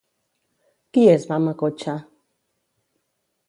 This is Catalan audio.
Qui és Mama Cocha?